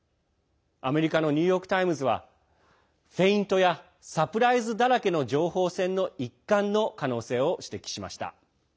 アメリカのニューヨーク・タイムズはフェイントやサプライズだらけの情報戦の一環の可能性を指摘しました。